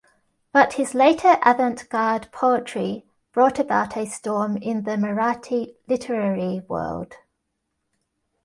But his later avant-garde poetry brought about a storm in the Marathi literary world.